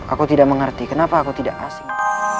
aku tidak mengerti kenapa aku tidak asing